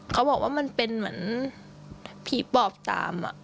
เขาบอกว่ามันเป็นเหมือนผีปอบตาม